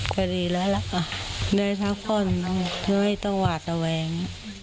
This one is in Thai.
โปรดีละล่ะได้ทักท่อนมาก็ต้องหวากเอาแวง